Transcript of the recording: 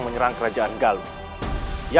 mi mau biarkan grassroots biasanya